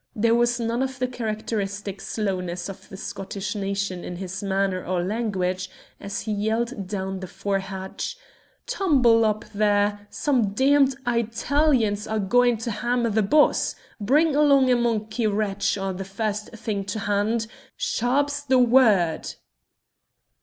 There was none of the characteristic slowness of the Scottish nation in his manner or language as he yelled down the fore hatch: "Tumble up, there! Some damned Eye talians are goin' to hammer the boss. Bring along a monkey wrench or the first thing to hand. Shar r p's the wo r rd!"